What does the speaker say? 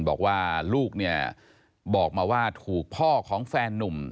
บอกว่าลูกเนี่ยบอกมาว่าถูกพ่อของแฟนนุ่ม